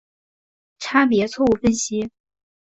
差别错误分析。